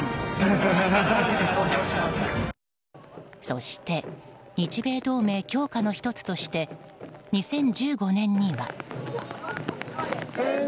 そして日米同盟強化の１つとして２０１５年には。